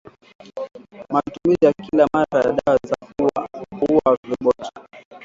Matumizi ya kila mara ya dawa za kuua viroboto